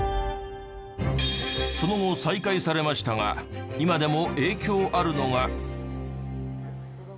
その後再開されましたが今でも影響あるのが。